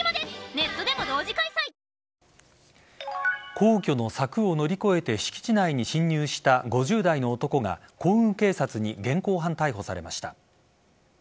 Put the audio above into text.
皇居の柵を乗り越えて敷地内に侵入した５０代の男が皇宮警察に現行犯逮捕されました。